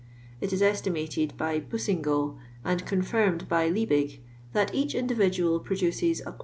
It is estimated by Bousingault, and confirmed by Liebig, that each individuial produces \ lb.